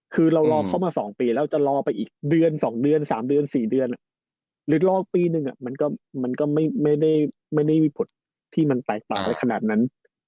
คือเรารอเข้ามา๒ปีแล้วจะรอไปอีกเดือน๒เดือน๓เดือน๔เดือนหรือรออีกปีนึงมันก็ไม่ได้มีกฎที่มันแตกต่างอะไรขนาดนั้น